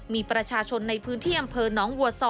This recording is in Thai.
มีประชาชนในพื้นที่อำเภอน้องวัวซอ